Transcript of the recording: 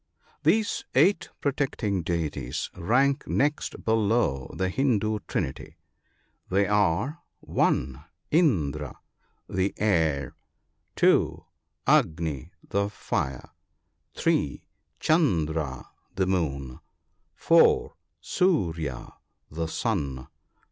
— These eight protecting deities rank next below the Hindoo Trinity. They are :— 1. Indra, the air ; 2. Agni, the fire ; 3. Chandra, the moon ; 4. Surya, the sun.